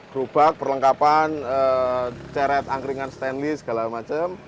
gerobak perlengkapan ceret angkringan stainless segala macam